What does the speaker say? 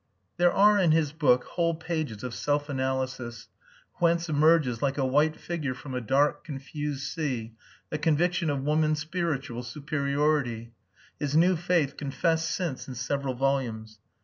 There are in his book whole pages of self analysis whence emerges like a white figure from a dark confused sea the conviction of woman's spiritual superiority his new faith confessed since in several volumes.